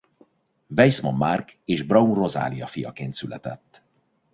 Weiszman Márk és Braun Rozália fiaként született.